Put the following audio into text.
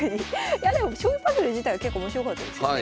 いやでも将棋パズル自体は結構面白かったですよね。